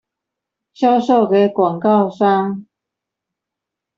銷售給廣告商